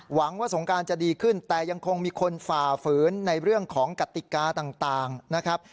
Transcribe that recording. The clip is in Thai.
หวังว่าสงการจะดีขึ้นแต่ยังคงมีคนฝ่าฝืนในเรื่องของกติกาต่างนะครับ